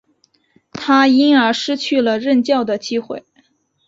他因而失去了任教的机会。